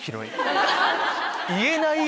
『言えないよ』？